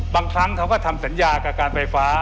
บางครั้งเขาก็ทำสัญญากับการไฟฟ้า